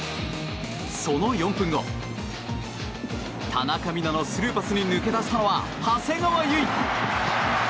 その４分後田中美南のスルーパスに抜け出したのは長谷川唯。